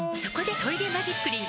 「トイレマジックリン」